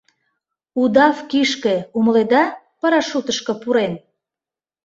Удав кишке, умыледа, парашютышко пурен.